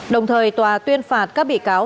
đồng thời tòa tuyên phạt các bị cáo